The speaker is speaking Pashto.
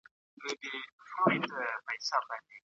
ايا مادي کلتور د پرمختګ لپاره اړين دی؟